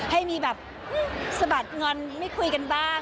ให้มีแบบสะบัดงอนไม่คุยกันบ้าง